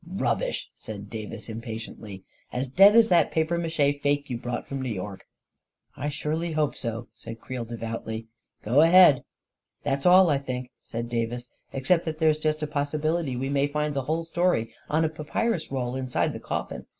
" Rubbish !" said Davis, impatiently. " As dead as that papier mache fake you brought from New York!" " I surely hope so I " said Creel, devoutly. " Go ahead." " That's all, I think," said Davis, " except that there's just a possibility we may find the whole story o i a papyrus roll inside the coffin.